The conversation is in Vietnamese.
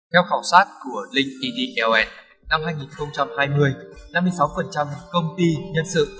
theo khảo sát của link in nl năm hai nghìn hai mươi năm mươi sáu công ty nhân sự